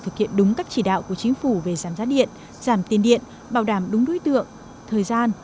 thực hiện đúng các chỉ đạo của chính phủ về giảm giá điện giảm tiền điện bảo đảm đúng đối tượng thời gian